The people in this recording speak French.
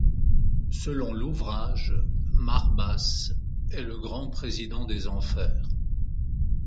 Selon l'ouvrage, Marbas est le Grand président des enfers.